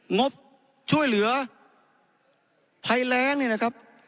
งบช่วยเหลือภัยแรงเนี่ยนะครับ